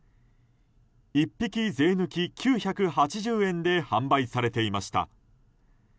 １匹、税抜き９８０円で販売されていました。